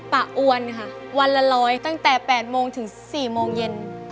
อวนค่ะวันละ๑๐๐ตั้งแต่๘โมงถึง๔โมงเย็น